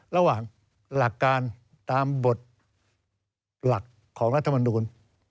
ระหว่างหลักการตามบทหลักของรัฐมนูล